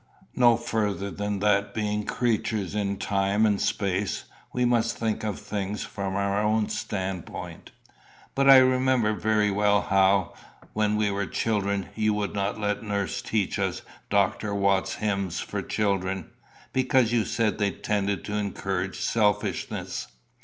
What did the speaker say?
"No further than that being creatures in time and space, we must think of things from our own standpoint." "But I remember very well how, when we were children, you would not let nurse teach us Dr. Watts's hymns for children, because you said they tended to encourage selfishness."